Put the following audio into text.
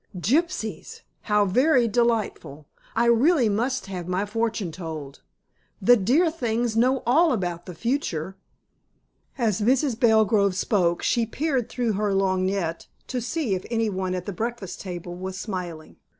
"Gypsies! How very delightful! I really must have my fortune told. The dear things know all about the future." As Mrs. Belgrove spoke she peered through her lorgnette to see if anyone at the breakfast table was smiling.